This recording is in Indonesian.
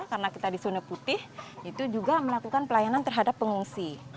karena kita di suneputih itu juga melakukan pelayanan terhadap pengungsi